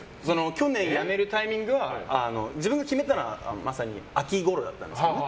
去年、辞めるタイミングは自分が決めたのはまさに秋ごろだったんですけどね。